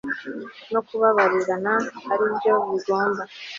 no kubabarirana ari byo bigomba